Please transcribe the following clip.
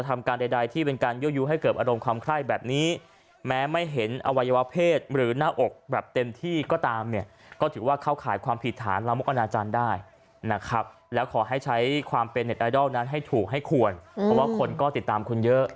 ไม่ถูกให้ควรเพราะว่าคนก็ติดตามคุณเยอะ